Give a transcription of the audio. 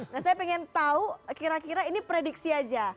nah saya ingin tahu kira kira ini prediksi aja